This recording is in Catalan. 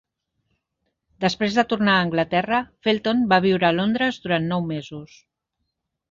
Després de tornar a Anglaterra, Felton va viure a Londres durant nou mesos.